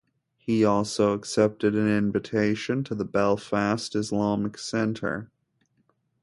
He also accepted an invitation to the Belfast Islamic Centre.